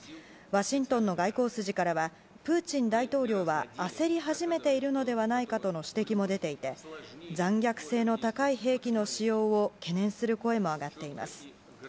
ワシントンの外交筋からはプーチン大統領は焦り始めているのではないかとの指摘も出ていて残虐性の高い兵器の使用を懸念する声も上がっています。